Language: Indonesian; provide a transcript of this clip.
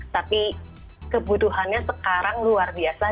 tapi kebutuhannya sekarang luar biasa